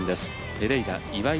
ペレイラ・岩井